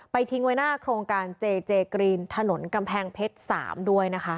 ทิ้งไว้หน้าโครงการเจเจกรีนถนนกำแพงเพชร๓ด้วยนะคะ